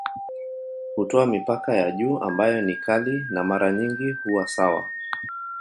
Hutoa mipaka ya juu ambayo ni kali na mara nyingi huwa sawa.